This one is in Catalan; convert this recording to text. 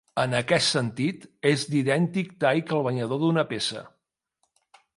En aquest sentit és d'idèntic tall que el banyador d'una peça.